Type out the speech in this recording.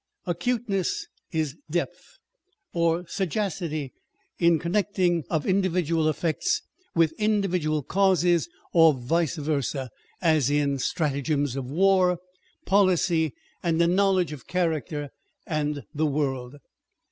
Acuteness is depth, or sagacity in connecting individual 506 On Depih and Superficiality. effects with individual causes, or vice versa, as in strata gems of war, policy, and a knowledge of character and the world.